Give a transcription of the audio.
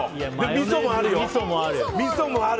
みそもあるよ。